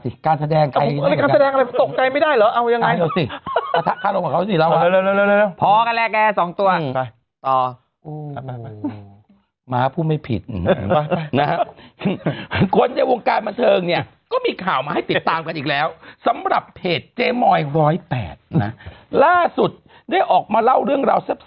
อีนี่นะเคี้ยนกันถึงทุกวันข้าวไปเพื่อ